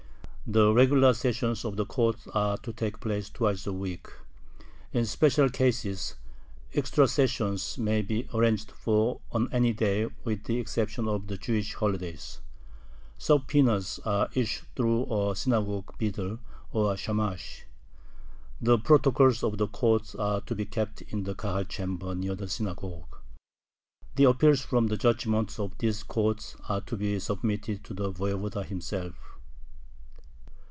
The regular sessions of the court are to take place twice a week. In special cases extra sessions may be arranged for on any day with the exception of the Jewish holidays. Subpoenas are issued through the synagogue beadle, or shamash. The protocols of the court are to be kept in the Kahal chamber near the synagogue. The appeals from the judgments of this court are to be submitted to the voyevoda himself.